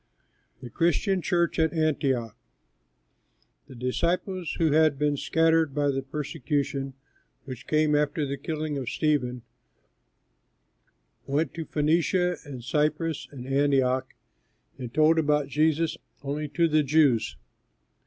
THE CHRISTIAN CHURCH AT ANTIOCH The disciples who had been scattered by the persecution which came after the killing of Stephen went to Phœnicia and Cyprus and Antioch, but told about Jesus only to Jews.